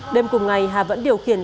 đêm cùng ngày hà vẫn điều khiển